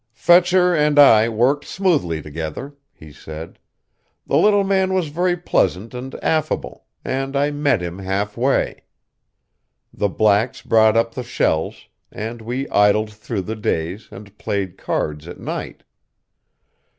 "Fetcher and I worked smoothly together," he said. "The little man was very pleasant and affable; and I met him half way. The blacks brought up the shells, and we idled through the days, and played cards at night.